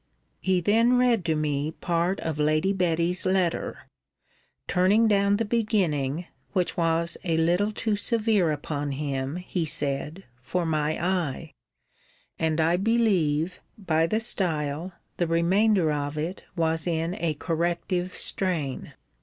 He then read to me part of Lady Betty's letter; turning down the beginning, which was a little too severe upon him, he said, for my eye: and I believe, by the style, the remainder of it was in a corrective strain.